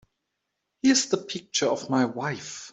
Here's the picture of my wife.